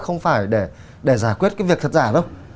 không phải để giải quyết cái việc thật giả đâu